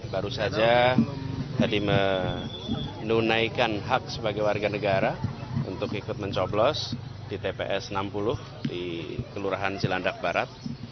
baru saja tadi menunaikan hak sebagai warga negara untuk ikut mencoblos di tps enam puluh di kelurahan cilandak barat